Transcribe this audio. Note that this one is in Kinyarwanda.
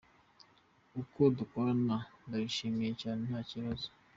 Uko dukorana ndabyishimiye cyane nta kibazo.